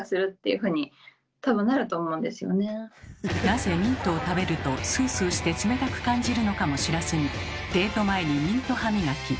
なぜミントを食べるとスースーして冷たく感じるのかも知らずにデート前にミント歯磨き。